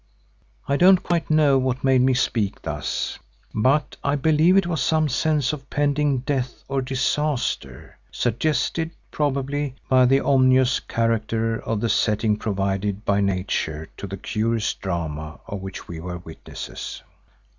I don't quite know what made me speak thus, but I believe it was some sense of pending death or disaster, suggested, probably, by the ominous character of the setting provided by Nature to the curious drama of which we were witnesses.